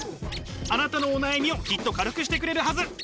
あなたのお悩みをきっと軽くしてくれるはず。